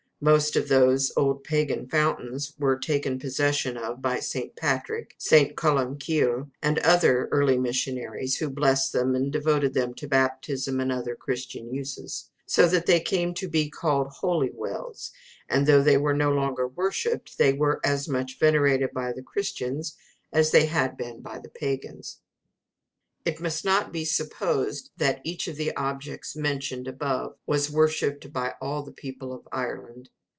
Most of those old Pagan fountains were taken possession of by St. Patrick, St. Columkille, and other early missionaries, who blessed them, and devoted them to baptism and other Christian uses; so that they came to be called holy wells; and though they were no longer worshipped, they were as much venerated by the Christians as they had been by the pagans. It must not be supposed that each of the objects mentioned above was worshipped by all the people of Ireland.